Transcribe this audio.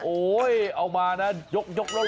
โอ๊ยเอามาน่ะยกไหน